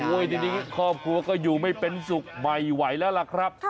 ทีนี้ครอบครัวก็อยู่ไม่เป็นสุขไม่ไหวแล้วล่ะครับ